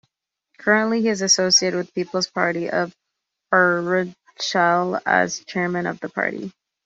Currently he is associated with People's Party of Arunachal as chairman of the party.